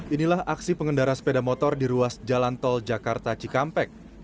inilah aksi pengendara sepeda motor di ruas jalan tol jakarta cikampek